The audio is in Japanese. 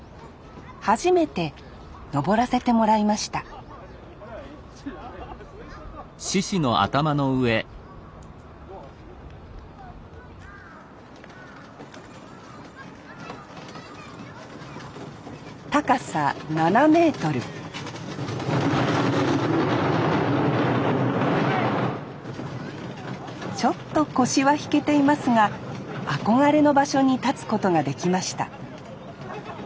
初めて上らせてもらいました高さ７ｍちょっと腰は引けていますが憧れの場所に立つことができました